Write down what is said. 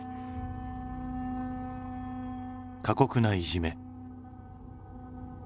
過酷ないじめ。